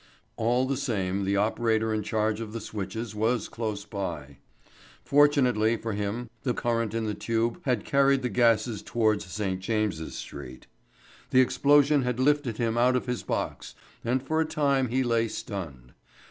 All the same the operator in charge of the switches was close by. Fortunately for him the play of the current in the tube had carried the gases towards St. James's Street. The explosion had lifted him out of his box, and for a time he lay stunned.